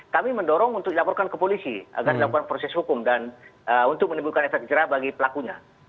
kami mendorong untuk dilaporkan ke polisi agar dilakukan proses hukum dan untuk menimbulkan efek jerah bagi pelakunya